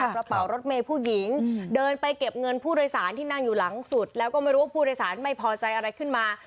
กระเป๋ารถเมย์ผู้หญิงเดินไปเก็บเงินผู้โดยสารที่นั่งอยู่หลังสุดแล้วก็ไม่รู้ว่าผู้โดยสารไม่พอใจอะไรขึ้นมา